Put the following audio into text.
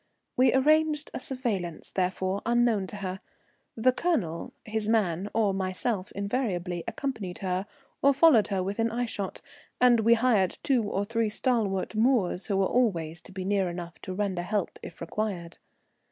We arranged a surveillance, therefore, unknown to her. The Colonel, his man, or myself invariably accompanied her or followed her within eyeshot; and we hired two or three stalwart Moors, who were always to be near enough to render help if required.